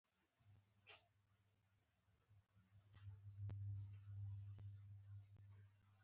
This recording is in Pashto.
موږ به د لوبې په میدان کې وګورو